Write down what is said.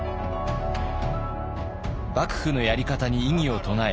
幕府のやり方に異議を唱え